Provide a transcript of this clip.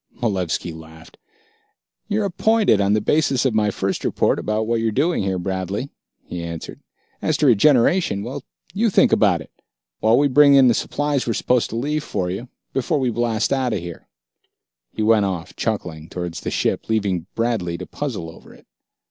Malevski laughed. "You're appointed, on the basis of my first report about what you're doing here, Bradley," he answered. "As to regeneration ... well, you think about it, while we bring in the supplies we're supposed to leave for you, before we blast out of here." He went off, chuckling, towards his ship, leaving Bradley to puzzle over it.